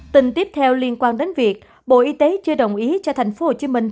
tình tiếp theo liên quan đến việc bộ y tế chưa đồng ý cho thành phố hồ chí minh